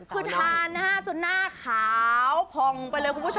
คือทาหน้าจนหน้าขาวผ่องไปเลยคุณผู้ชม